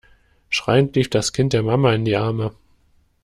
Schreiend lief das Kind der Mama in die Arme.